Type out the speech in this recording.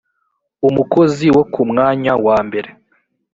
umukozi wo ku mwanya wa mbere